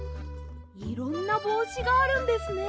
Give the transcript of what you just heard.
いろんなぼうしがあるんですね！